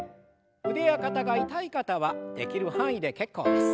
腕や肩が痛い方はできる範囲で結構です。